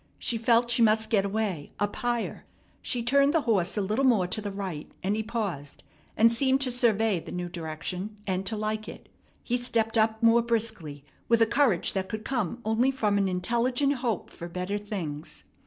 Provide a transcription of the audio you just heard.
She felt she must get away, up higher. She turned the horse a little more to the right, and he paused, and seemed to survey the new direction and to like it. He stepped up more briskly, with a courage that could come only from an intelligent hope for better things.